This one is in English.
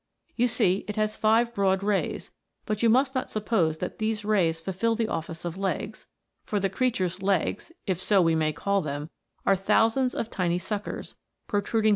You see it has five broad rays, but you must not suppose that these rays fulfil the office of legs, for the creature's legs, if so we may call them, are thousands of tiny suckers, protruding through * The Holothuria.